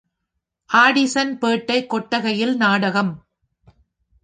ஆடிசன்பேட்டை கொட்டகையில் நாடகம்.